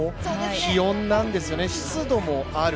気温なんですよね、湿度もある。